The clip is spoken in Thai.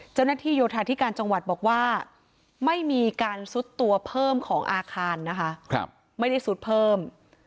เจ้าหน้าที่โยธาธิการจังหวัดบอกว่าไม่มีการซุดตัวเพิ่มของอาคารนะคะไม่ได้ซุดเพิ่ม